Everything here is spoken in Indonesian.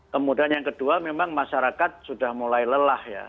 kemudian yang kedua memang masyarakat sudah mulai lelah ya